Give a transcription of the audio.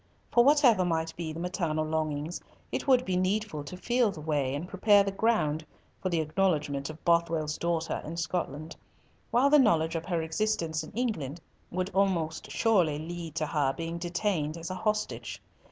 For whatever might be the maternal longings, it would be needful to feel the way and prepare the ground for the acknowledgment of Bothwell's daughter in Scotland, while the knowledge of her existence in England would almost surely lead to her being detained as a hostage.